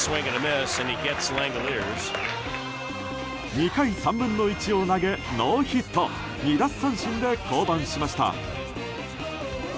２回３分の１を投げノーヒット２奪三振で降板しました。